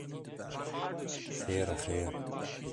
Xêr e, xêr.